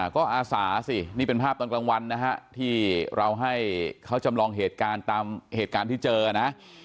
ก็อาสาสินี่เป็นภาพตอนกลางวันนะฮะที่เราให้เขาจำลองเหตุการณ์ตามเหตุการณ์ที่เจอนะ